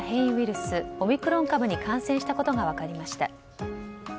スオミクロン株に感染したことが分かりました。